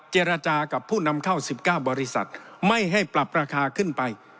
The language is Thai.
เจรจากับผู้นำเข้า๑๙บริษัทไม่ให้ปรับราคาขึ้นไป